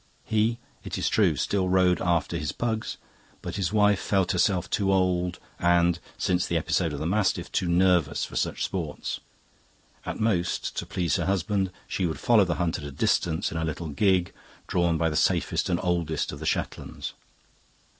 He, it is true, still rode after his pugs, but his wife felt herself too old and, since the episode of the mastiff, too nervous for such sports. At most, to please her husband, she would follow the hunt at a distance in a little gig drawn by the safest and oldest of the Shetlands.